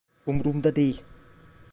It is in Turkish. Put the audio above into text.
Umrumda değil.